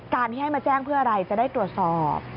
ที่ให้มาแจ้งเพื่ออะไรจะได้ตรวจสอบ